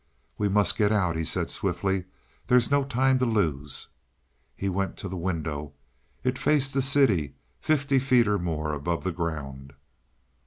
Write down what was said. "We must get out," he said swiftly. "There's no time to lose." He went to the window; it faced the city, fifty feet or more above the ground.